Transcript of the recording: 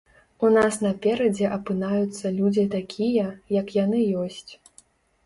У нас наперадзе апынаюцца людзі такія, як яны ёсць.